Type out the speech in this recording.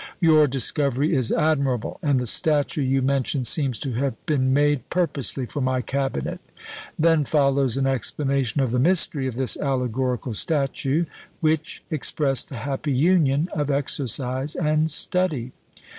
"Your discovery is admirable, and the statue you mention seems to have been made purposely for my cabinet." Then follows an explanation of the mystery of this allegorical statue, which expressed the happy union of exercise and study.